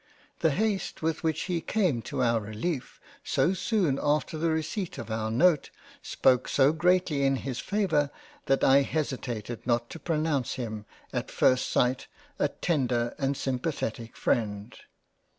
The haste with which he came to our releif so soon after the receipt of our Note, spoke so greatly in his favour that I hesitated not to pronounce him at first sight, a tender and simpathetic Freind.